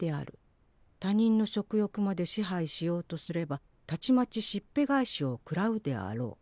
他人の食欲まで支配しようとすればたちまちしっぺ返しを食らうであろう。